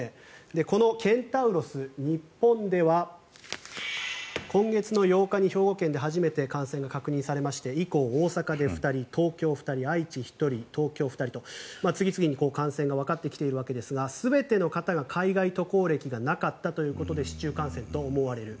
このケンタウロス日本では今月の８日に兵庫県で初めて確認されまして以降、大阪で２人東京で２人愛知、１人、東京２人と次々に感染がわかってきているわけですが全ての方が海外渡航歴がなかったということで市中感染と思われる。